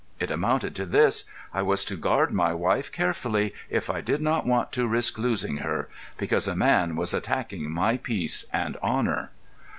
It amounted to this: I was to guard my wife carefully if I did not want to risk losing her—because a man was attacking my peace and honour."